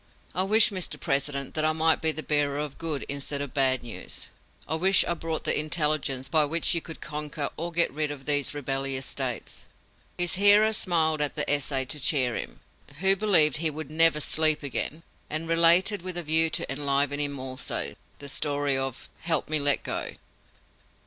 "I wish, Mr. President, that I might be the bearer of good instead of bad news I wish I brought the intelligence by which you could conquer or get rid of these rebellious States!" His hearer smiled at the essay to cheer him, who believed he would "never sleep again," and related, with a view to enliven him also, the story of "Help me let go."